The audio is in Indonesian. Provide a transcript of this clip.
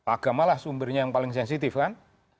agamalah sumbernya yang paling sensitif kan